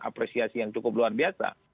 apresiasi yang cukup luar biasa